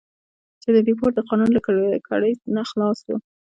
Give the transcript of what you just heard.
چې د دیپورت د قانون له کړۍ نه خلاص وو.